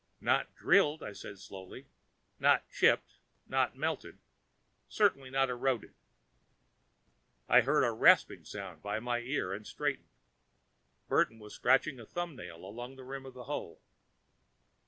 "Not drilled," I said slowly. "Not chipped. Not melted. Certainly not eroded." I heard a rasping sound by my ear and straightened. Burton was scratching a thumbnail along the rim of the hole.